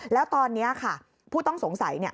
แล้วตอนนี้ค่ะผู้ต้องสงสัยเนี่ย